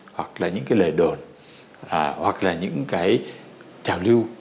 hoặc là những cái lời đồn hoặc là những cái trào lưu